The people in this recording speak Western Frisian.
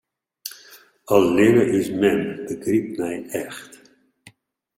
Allinne ús mem begrypt my echt.